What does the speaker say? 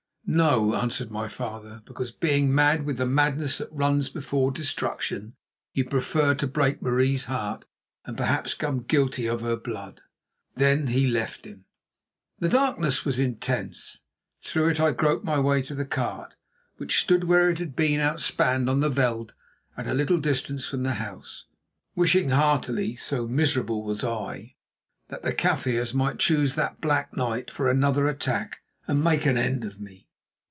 "No," answered my father, "because, being mad with the madness that runs before destruction, you prefer to break Marie's heart and perhaps become guilty of her blood." Then he left him. The darkness was intense. Through it I groped my way to the cart, which stood where it had been outspanned on the veld at a little distance from the house, wishing heartily, so miserable was I, that the Kaffirs might choose that black night for another attack and make an end of me.